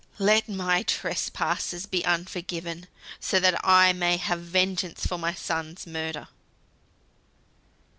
"Let my trespasses be unforgiven, so that I may have vengeance for my son's murder."